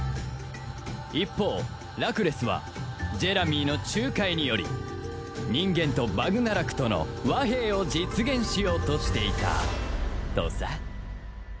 一方ラクレスはジェラミーの仲介により人間とバグナラクとの和平を実現しようとしていたとさ